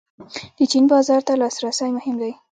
د چین بازار ته لاسرسی مهم دی